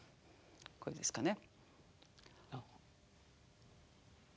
こうですかね。